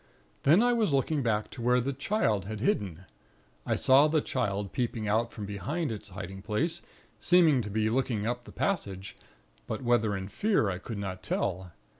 Then I was looking back to where the Child had hidden. I saw the Child peeping out from behind its hiding place, seeming to be looking up the passage; but whether in fear I could not tell.